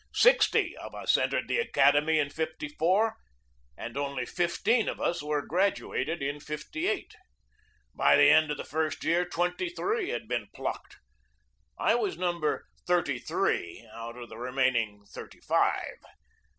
Sixty of us entered the academy in '54, and only fifteen of us were graduated in '58. By the end of the first year twenty three had been plucked. I was number thirty three out of the remaining thirty five.